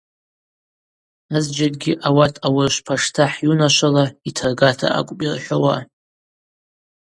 Азджьакӏгьи ауат аурышв паштахӏ йунашвала йтыргата акӏвпӏ йырхӏвауа.